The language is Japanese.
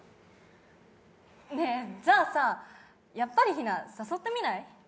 ねえ、じゃあさぁ、やっぱりヒナ誘ってみない？